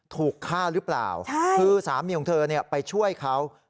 ถูกฆ่าหรือเปล่าคือสามีของเธอไปช่วยเขา